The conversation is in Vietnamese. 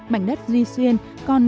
mảnh đất duy xuyên còn